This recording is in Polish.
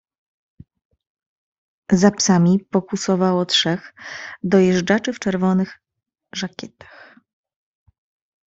"Za psami pokłusowało trzech dojeżdżaczy w czerwonych żakietach."